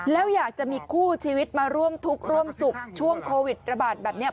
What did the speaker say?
แล้วอยากจะมีคู่ชีวิตมาร่วมทุกข์ร่วมสุขช่วงโควิดระบาดแบบนี้